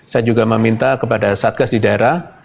saya juga meminta kepada satgas di daerah